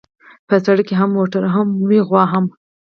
په سړک هم موټر وي هم غوا.